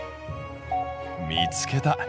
見つけた！